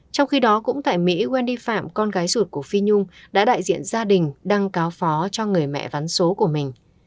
trong khi đó cũng tại mỹ wendy phạm con gái ruột của phi nhung đã đại diện gia đình đăng cáo phó cho người mẹ ván số của mình